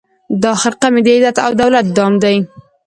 دا خرقه مي د عزت او دولت دام دی